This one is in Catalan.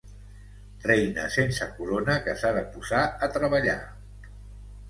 Reina sense corona que s'ha de posar a treballar.